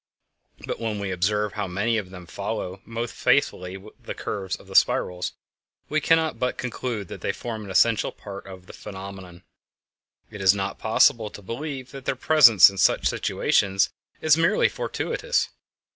But when we observe how many of them follow most faithfully the curves of the spirals we cannot but conclude that they form an essential part of the phenomenon; it is not possible to believe that their presence in such situations is merely fortuitous.